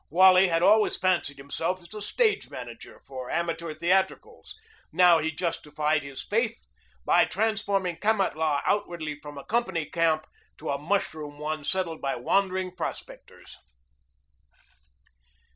Wally had always fancied himself as a stage manager for amateur theatricals. Now he justified his faith by transforming Kamatlah outwardly from a company camp to a mushroom one settled by wandering prospectors.